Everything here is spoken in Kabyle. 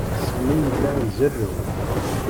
Sami yella izerrew.